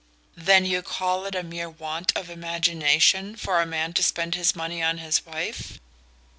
"Then you call it a mere want of imagination for a man to spend his money on his wife?"